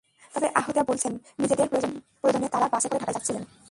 তবে আহত ব্যক্তিরা বলছেন, নিজেদের প্রয়োজনে তাঁরা বাসে করে ঢাকায় যাচ্ছিলেন।